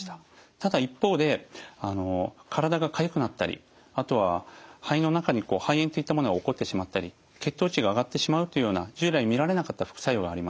ただ一方で体がかゆくなったりあとは肺の中に肺炎といったものが起こってしまったり血糖値が上がってしまうというような従来見られなかった副作用があります。